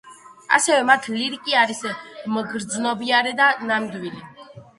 ასევე მათი ლირიკა არის მგრძნობიარე და ნამდვილი.